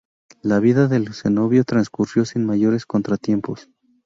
La vida del cenobio transcurrió sin mayores contratiempos.